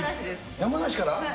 山梨から？